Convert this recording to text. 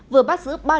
vừa bắt giữ ba đối tượng